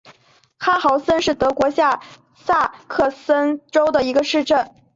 哈豪森是德国下萨克森州的一个市镇。